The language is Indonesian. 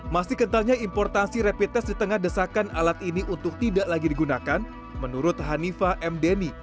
masih kentalnya importasi rapid test di tengah desakan alat ini untuk tidak lagi digunakan menurut hanifa mdeni